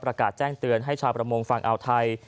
ประกาศแจ้งเตือนให้ชามประมงฟังอ่าวไทย